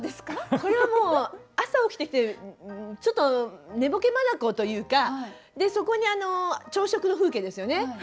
これはもう朝起きてちょっと寝ぼけ眼というかそこに朝食の風景ですよね。